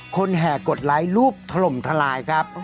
แห่กดไลค์รูปถล่มทลายครับ